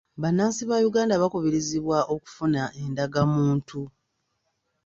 Bannansi ba Uganda bakubirizibwa okufuna endagamuntu.